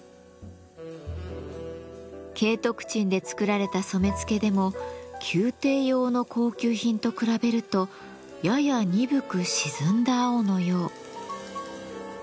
景徳鎮で作られた染付でも宮廷用の高級品と比べるとやや鈍く沈んだ青のよう。